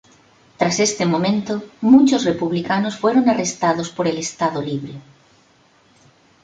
Tras este momento, muchos republicanos fueron arrestados por el Estado Libre.